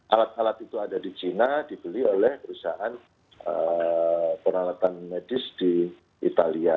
alat alat itu ada di china dibeli oleh perusahaan peralatan medis di italia